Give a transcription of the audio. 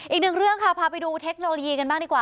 อีกหนึ่งเรื่องค่ะพาไปดูเทคโนโลยีกันบ้างดีกว่า